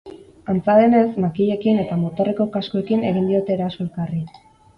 Antza denez, makilekin eta motorreko kaskoekin egin diote eraso elkarri.